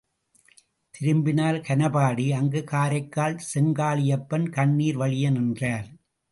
திரும்பினார் கனபாடி, அங்கு காரைக்கால் செங்காளியப்பன் கண்ணீர் வழிய நின்றார்!